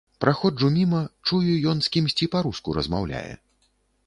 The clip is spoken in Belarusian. Праходжу міма, чую, ён з кімсьці па-руску размаўляе.